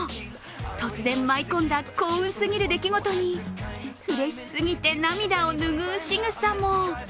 突然舞い込んだ幸運すぎる出来事に、うれしすぎて涙を拭うしぐさも。